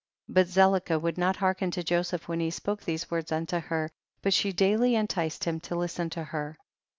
But Zelicah would not hear ken to Joseph when he spoke these words unto her, but she daily enticed him to listen to her.